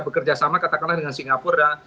bekerja sama katakanlah dengan singapura